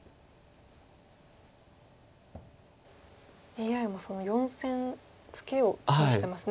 ＡＩも４線ツケを示してますね。